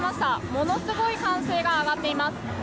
ものすごい歓声が上がっています。